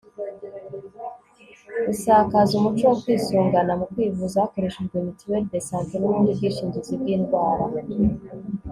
gusakaza umuco wo kwisungana mu kwivuza hakoreshejwe mutuelle de santé n'ubundi bwishingizi bw' indwara